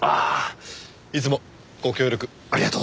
いつもご協力ありがとうございます！